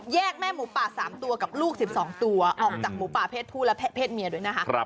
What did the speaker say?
แม่หมูป่า๓ตัวกับลูก๑๒ตัวออกจากหมูป่าเพศผู้และเพศเมียด้วยนะคะ